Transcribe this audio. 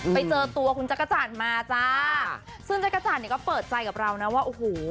ไปเจอตัวคุณเจ๊กจันมาจ้ะซึ่งเจ๊กจันเนี้ยก็เปิดใจกับเรานะว่า